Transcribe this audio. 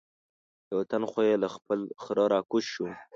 یو تن خو یې له خپل خره را کوز شو.